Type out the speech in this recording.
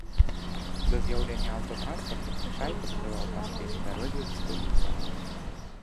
Да з'яўлення аўтатранспарту чай паспяваў паспець у дарозе да спажыўца.